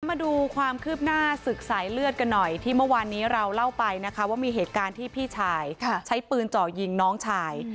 มาดูความคืบหน้าศึกสายเลือดกันหน่อยที่เมื่อวานนี้เราเล่าไปนะคะว่ามีเหตุการณ์ที่พี่ชายใช้ปืนเจาะยิงน้องชาย